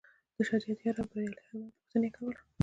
د شریعت یار او بریالي هلمند پوښتنه یې کوله.